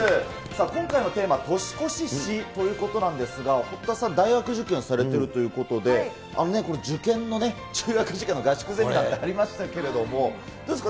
今回のテーマ、年越し史ということなんですが、堀田さん、大学受験をされているということで、これ、受験のね、中学受験の合宿ゼミなんてありましたけど、どうですか。